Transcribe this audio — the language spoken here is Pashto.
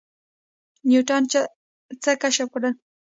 نیوټن څه کشف کړل؟